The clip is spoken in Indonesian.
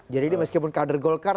jadi meskipun kader golkar